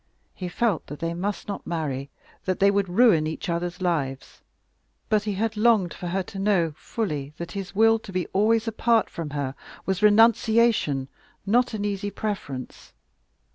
He felt that they must not marry that they would ruin each other's lives. But he had longed for her to know fully that his will to be always apart from her was renunciation, not an easy preference.